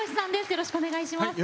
よろしくお願いします。